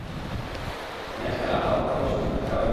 তুমি আজকাল আমার কোন কথাই শুনতে চাও না!